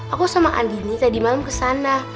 aku sama andi ini tadi malam kesana